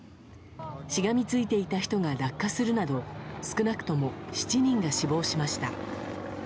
しがみついていた人が落下するなど少なくとも７人が死亡しました。